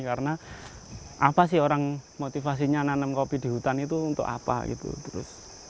karena apa sih orang motivasinya nanam kopi di hutan itu untuk apa gitu